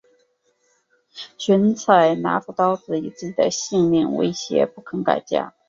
荀采拿出刀子以自己的性命威胁不肯改嫁。